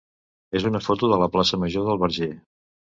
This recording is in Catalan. és una foto de la plaça major del Verger.